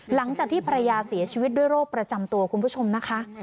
หลังจากที่ภรรยาเสียชีวิตด้วยโรคประจำตัวคุณผู้ชมนะคะ